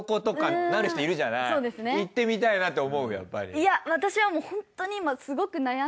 いや私はもうホントに今。